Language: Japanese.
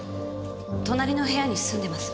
隣の部屋に住んでます。